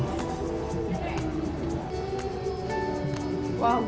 lentok tanjung lentok tanjung